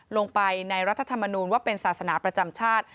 ลงไปในรัฐธรรมนูญว่าเป็นศาสนาประจำชาติ